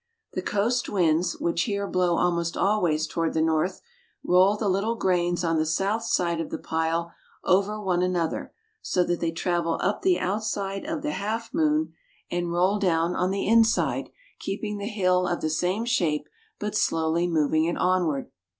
The coast winds, which here blow almost always toward the north, roll the little grains on the south side of the pile over one another, so that they travel up the outside of the half moon and roll down on 52 PERU. the inside, keeping the hill of the same shape, but slowly moving it onward.